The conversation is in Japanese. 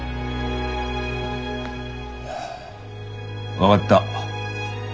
分がった。